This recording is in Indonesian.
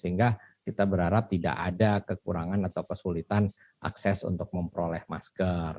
sehingga kita berharap tidak ada kekurangan atau kesulitan akses untuk memperoleh masker